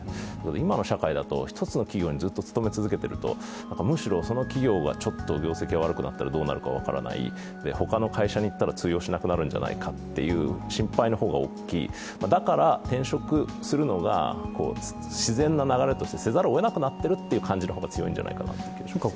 今の社会だと、１つの企業にずっと勤め続けているとむしろ、その企業がちょっと業績が悪くなったらどうなるか分からない、他の会社に行ったら通用しなくなるんじゃないかという心配の方が大きい、だから転職するのが、自然な流れとしてせざるを得なくなっているという方が強くなっているというか。